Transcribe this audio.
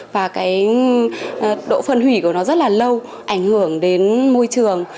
và độ phân hủy của nó rất là lâu ảnh hưởng đến môi trường